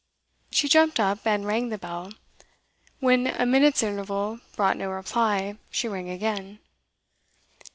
She jumped up, and rang the bell. When a minute's interval brought no reply, she rang again.